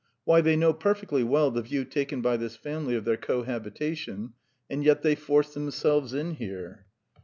Why, they know perfectly well the view taken by this family of their cohabitation, and yet they force themselves in here."